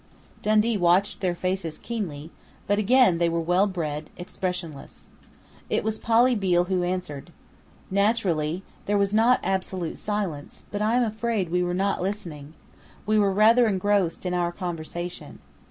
Dundee watched their faces keenly, but again they were well bred, expressionless. It was Polly Beale who answered: "Naturally there was not absolute silence, but I am afraid we were not listening. We were rather engrossed in our conversation.